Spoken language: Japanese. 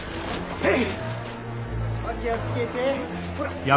はい。